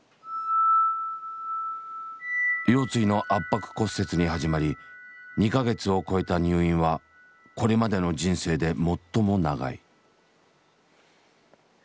腰椎の圧迫骨折に始まり２か月を越えた入院はこれまでの人生で最も長い。